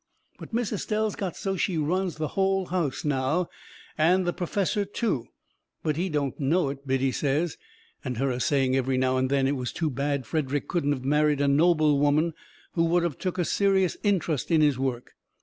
But Miss Estelle's got so she runs that hull house now, and the perfessor too, but he don't know it, Biddy says, and her a saying every now and then it was too bad Frederick couldn't of married a noble woman who would of took a serious intrust in his work.